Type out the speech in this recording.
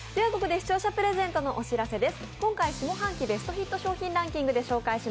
視聴者プレゼントのお知らせです。